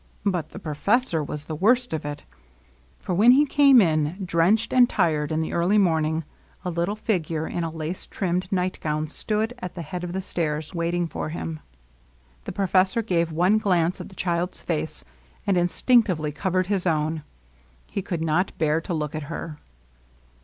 But the pro fessor had the worst of it ; for when he came in, drenched and tired, in the early morning, a little figure in a lace trimmed nightgown stood at the head of the stairs, waiting for him. The professor gave one glance at the child's face, and instinctively covered his own. He could not bear to look at her.